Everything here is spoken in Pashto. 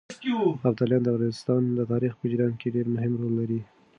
ابداليان د افغانستان د تاريخ په جريان کې ډېر مهم رول لري.